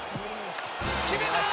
決めた！